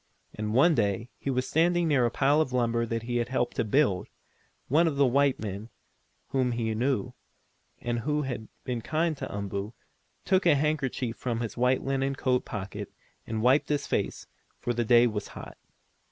And one day, as he was standing near a pile of lumber, that he had helped to build, one of the white men, whom he knew, and who had been kind to Umboo, took a handkerchief from his white, linen coat pocket, and wiped his face, for the day was hot.